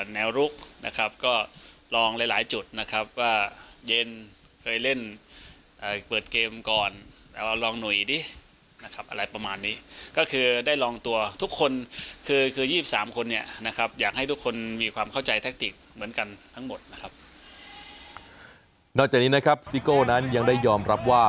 นอกจากนี้นะครับซิโก้นั้นยังได้ยอมรับว่า